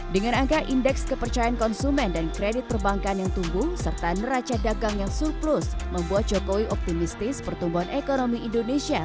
dengan angka indeks kepercayaan konsumen dan kredit perbankan yang tumbuh serta neraca dagang yang surplus membuat jokowi optimistis pertumbuhan ekonomi indonesia